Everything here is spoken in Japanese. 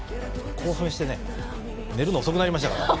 興奮してね寝るの遅くなりましたから。